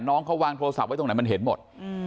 น้องเขาวางโทรศัพท์ไว้ตรงไหนมันเห็นหมด